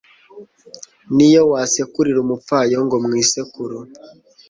n'iyo wasekurira umupfayongo mu isekuru